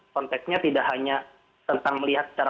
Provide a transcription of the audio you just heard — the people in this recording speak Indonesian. konteksnya tidak hanya tentang melihat secara